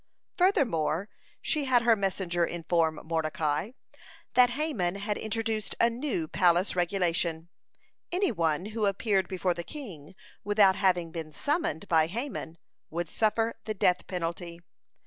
(134) Furthermore, she had her messenger inform Mordecai, that Haman had introduced a new palace regulation. Any one who appeared before the king without having been summoned by Haman, would suffer the death penalty.